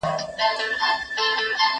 زه اوس د کتابتون کتابونه لوستل کوم؟